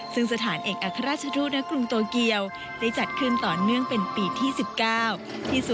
ซึ่งสถานเอกอัครราชทูตณกรุงโตเกียวได้จัดขึ้นต่อเนื่องเป็นปีที่๑๙